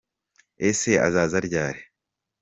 Ese azaza ryari?